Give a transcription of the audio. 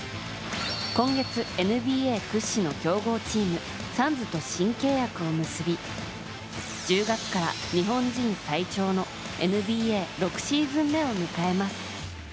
今月、ＮＢＡ屈指の強豪チームサンズと新契約を結び１０月から日本人最長のＮＢＡ６シーズン目を迎えます。